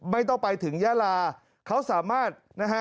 ไม่ต้องไปถึงยาลาเขาสามารถนะฮะ